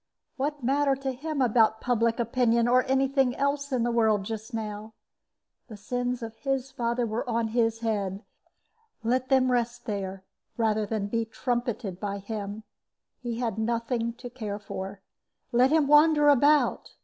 What matter to him about public opinion or any thing else in the world just now? The sins of his father were on his head; let them rest there, rather than be trumpeted by him. He had nothing to care for; let him wander about.